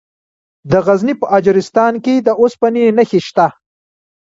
د غزني په اجرستان کې د اوسپنې نښې شته.